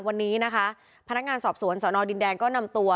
วันนี้นะคะพนักงานสอบสวนสอนอดินแดงก็นำตัว